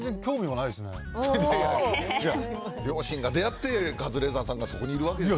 いや、両親が出会って、カズレーザーさんがそこにいるわけですよ。